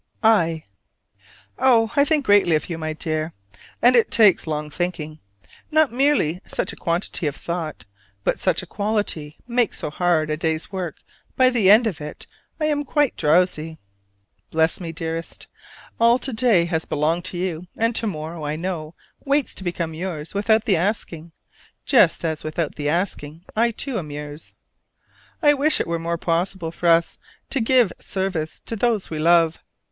I. Oh, I think greatly of you, my dear; and it takes long thinking. Not merely such a quantity of thought, but such a quality, makes so hard a day's work that by the end of it I am quite drowsy. Bless me, dearest; all to day has belonged to you; and to morrow, I know, waits to become yours without the asking: just as without the asking I too am yours. I wish it were more possible for us to give service to those we love.